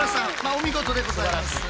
お見事でございます。